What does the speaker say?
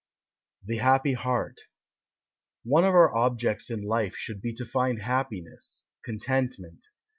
THE HAPPY HEART One of our objects in life should be to find happiness, contentment.